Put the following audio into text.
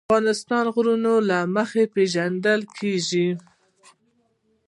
افغانستان د غرونه له مخې پېژندل کېږي.